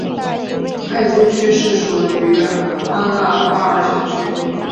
艾珠区是属于阿纳巴尔选区。